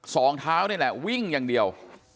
สองเท้านี่แหละวิ่งอย่างเดียว